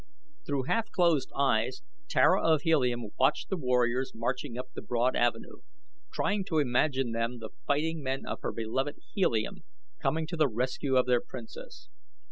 Through half closed eyes Tara of Helium watched the warriors marching up the broad avenue, trying to imagine them the fighting men of her beloved Helium coming to the rescue of their princess.